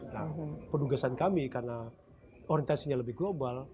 nah pendugasan kami karena orientasinya lebih global